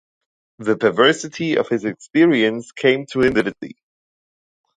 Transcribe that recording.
The perversity of his experience came to him vividly.